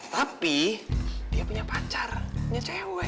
tapi dia punya pacar punya cewek